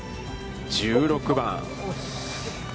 １６番。